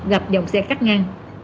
gặp dòng xe cắt ngang